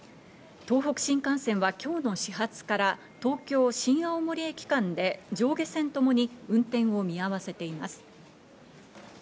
東北新幹線は今日の始発から東京−新青森駅間で上下線ともに運転を見合わせています。